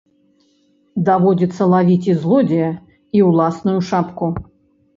Даводзіцца лавіць і злодзея, і ўласную шапку.